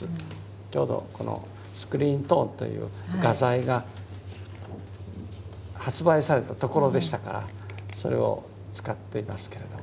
ちょうどこのスクリーントーンという画材が発売されたところでしたからそれを使っていますけれども。